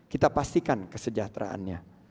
kita pastikan kesejahteraannya